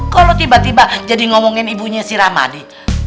kok lu tiba tiba jadi ngomongin ibunya si rahmadi